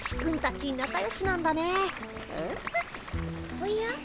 おや？